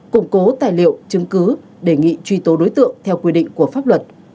củng cố tài liệu chứng cứ đề nghị truy tố đối tượng theo quy định của pháp luật